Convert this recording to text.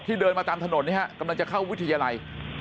เดินมาตามถนนนี่ฮะกำลังจะเข้าวิทยาลัย